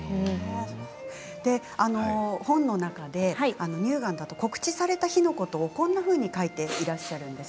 本の中で乳がんだと告知された日のことをこんなふうに書いていらっしゃるんです。